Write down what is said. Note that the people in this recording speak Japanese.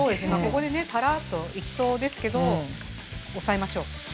ここでねたらっといきそうですけど抑えましょう。